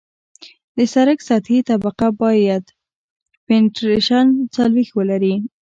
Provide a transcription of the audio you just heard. د سرک سطحي طبقه باید پینټریشن څلوېښت ولري